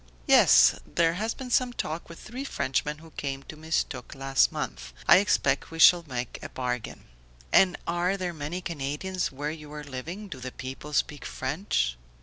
"Yes, there has been some talk with three Frenchmen who came to Mistook last month. I expect we shall make a bargain." "And are there many Canadians where you are living? Do the people speak French?"